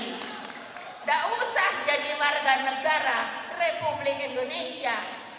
tidak usah jadi warga negara republik indonesia